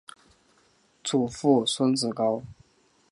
祖父孙子高。